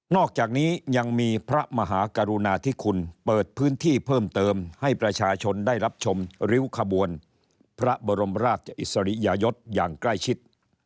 อกจากนี้ยังมีพระมหากรุณาธิคุณเปิดพื้นที่เพิ่มเติมให้ประชาชนได้รับชมริ้วขบวนพระบรมราชอิสริยยศอย่างใกล้ชิด